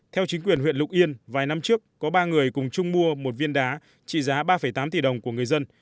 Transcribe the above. theo chính quyền huyện lục yên vài năm trước có ba người cùng chung mua một viên đá trị giá ba tám tỷ đồng của người dân